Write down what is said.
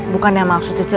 bukan yang maksud cece